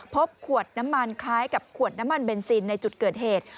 พบขวดน้ำมันคล้ายกับขวดน้ำมันเบนซินในจุดเกิดเหตุ